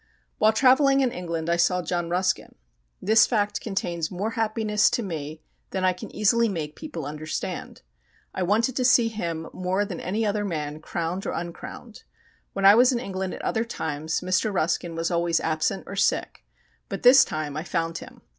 While travelling in England I saw John Ruskin. This fact contains more happiness to me than I can easily make people understand. I wanted to see him more than any other man, crowned or uncrowned. When I was in England at other times Mr. Ruskin was always absent or sick, but this time I found him.